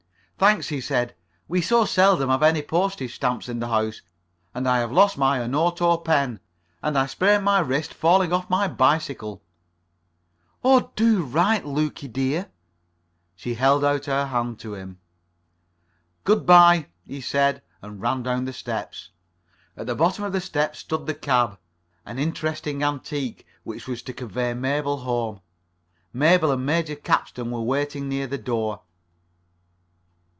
"Thanks," he said, "we so seldom have any postage stamps in the house. And I've lost my Onoto pen, and I sprained my wrist falling off my bicycle." "Oh, do write, Lukie dear." She held out her hand to him. "Good by," he said, and ran down the steps. At the bottom of the steps stood the cab, an interesting antique, which was to convey Mabel home. Mabel and Major Capstan were waiting near the door.